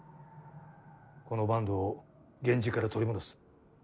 この坂東を源氏から取り戻す。